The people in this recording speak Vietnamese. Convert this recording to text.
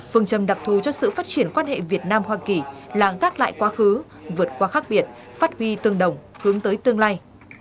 phương châm đặc thù cho sự phát triển quan hệ việt nam hoa kỳ là gác lại quá khứ vượt qua khác biệt phát huy tương đồng hướng tới tương lai